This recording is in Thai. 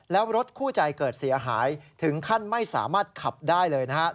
แล้วรถคู่ใจเกิดเสียหายถึงขั้นไม่สามารถขับได้เลยนะครับ